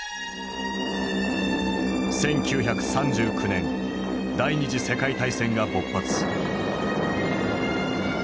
１９３９年第二次世界大戦が勃発。